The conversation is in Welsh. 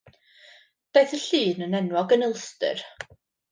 Daeth y llun yn enwog yn Ulster.